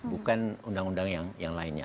bukan undang undang yang lainnya